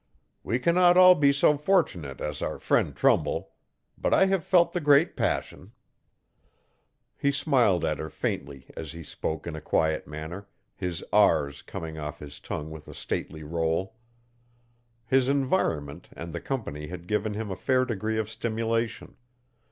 We cannot all be so fortunate as our friend Trumbull. But I have felt the great passion. He smiled at her faintly as he spoke in a quiet manner, his r s coming off his tongue with a stately roll. His environment and the company had given him a fair degree of stimulation.